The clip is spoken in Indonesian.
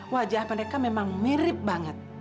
wajah mereka memang mirip banget